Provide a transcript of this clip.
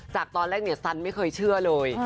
จากตอนแรกเนี่ยสันไม่เคยเชื่อเลย